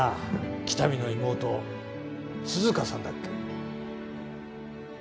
喜多見の妹涼香さんだっけ？